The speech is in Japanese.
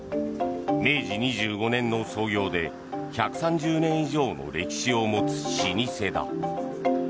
明治２５年の創業で１３０年以上の歴史を持つ老舗だ。